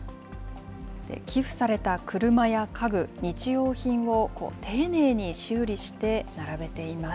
寄付された車や家具、日用品を丁寧に修理して並べています。